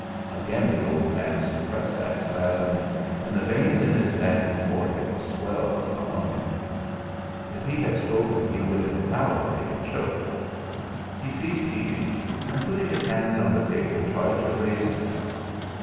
Again the old man suppressed that spasm, and the veins in his neck and forehead swelled alarmingly. If he had spoken he would infallibly have choked. He ceased eating, and putting his hands on the table tried to raise himself.